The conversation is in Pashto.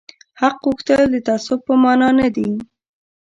حق غوښتل د تعصب په مانا نه دي